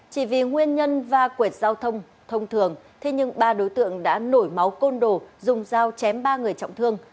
chỉ vì nguyên nhân va quệt giao thông thông thường thế nhưng ba đối tượng đã nổi máu côn đồ dùng dao chém ba người trọng thương